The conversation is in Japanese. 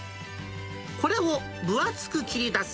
これを分厚く切り出す。